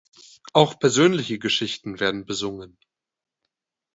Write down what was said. Auch persönliche Geschichten werden besungen.